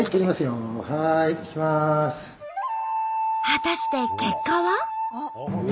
果たして結果は？